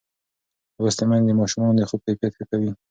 لوستې میندې د ماشومانو د خوب کیفیت ښه کوي.